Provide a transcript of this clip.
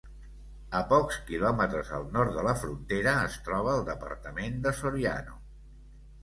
A pocs quilòmetres al nord de la frontera es troba el departament de Soriano.